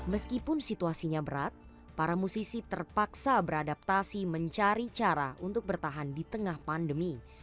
meskipun situasinya berat para musisi terpaksa beradaptasi mencari cara untuk bertahan di tengah pandemi